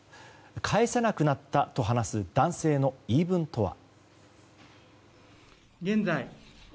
返せなくなったと話す男性の言い分とは。